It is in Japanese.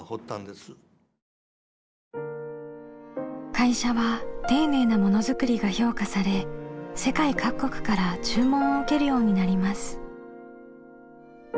会社は丁寧なものづくりが評価され世界各国から注文を受けるようになります。